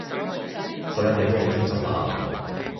所有嘢都好清楚喇